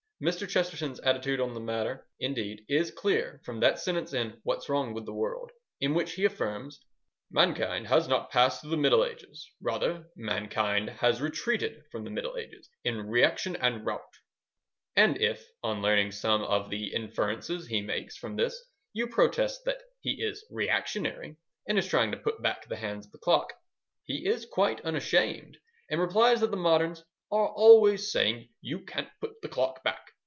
Mr. Chesterton's attitude on the matter, indeed, is clear from that sentence in What's Wrong with the World, in which he affirms: "Mankind has not passed through the Middle Ages. Rather mankind has retreated from the Middle Ages in reaction and rout." And if, on learning some of the inferences he makes from this, you protest that he is reactionary, and is trying to put back the hands of the clock, he is quite unashamed, and replies that the moderns "are always saying 'you can't put the clock back.'